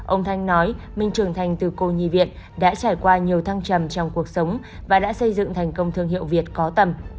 ông thanh nói mình trưởng thành từ cô nhi việt đã trải qua nhiều thăng trầm trong cuộc sống và đã xây dựng thành công thương hiệu việt có tầm